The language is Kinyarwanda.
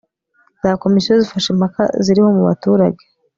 za komisiyo zifasha kumva impaka ziriho mu baturage